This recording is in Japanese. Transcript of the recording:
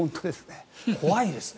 怖いですね。